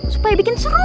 supaya bikin api umbun